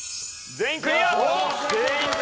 全員クリア！